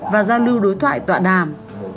và giao lưu đối thoại tọa đàm